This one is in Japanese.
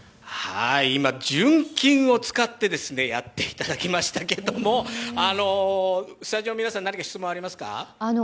今、純金を使ってやっていただきましたけど、スタジオの皆さん、何か質問ありますか？